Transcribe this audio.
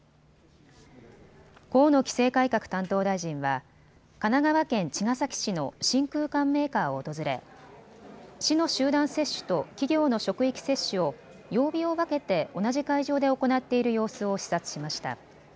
河野規制改革担当大臣は神奈川県茅ヶ崎市の真空管メーカーを訪れ市の集団接種と企業の職域接種を曜日を分けて同じ会場で行っている様子を視察しました。